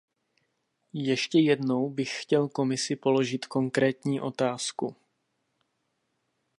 Ještě jednou bych chtěl Komisi položit konkrétní otázku.